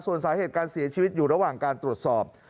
ส่วนสาเหตุการเสียชีวิตอยู่ระหว่างการตรวจสอบ